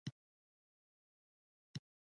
د نرم نسج له امله مړینه هیڅ نښه نه پرېږدي.